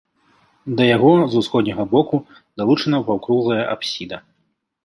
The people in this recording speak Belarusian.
Да яго з усходняга боку далучана паўкруглая апсіда.